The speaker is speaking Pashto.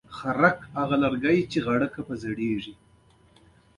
ځکه نو یوې داسې ډډې ته تګ او سفر کول.